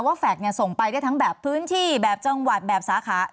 แฟคส่งไปได้ทั้งแบบพื้นที่แบบจังหวัดแบบสาขา